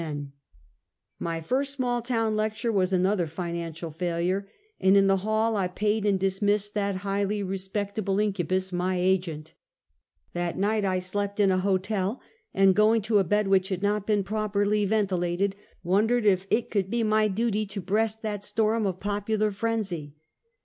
220 Half a Centuet. My first small town lecture was another financial failure, and in the hall I paid and dismissed that high ly respectable incubus — my agent. That night I slept in a hotel, and going to a bed which had not been properly ventilated, wondered if it could be my duty to breast that storm of popular frenzy.